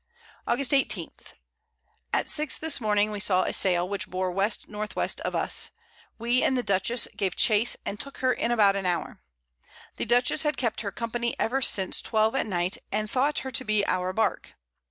August 18. At 6 this Morning we saw a Sail, which bore W. N. W. of us; we and the Dutchess gave Chace, and took her in about an Hour. The Dutchess had kept her Company ever since 12 at Night, and thought her to be our Bark.